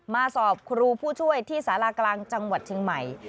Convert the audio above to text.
มาสอบครูผู้ช่วยที่สารากลางจังหวัดเชียงใหม่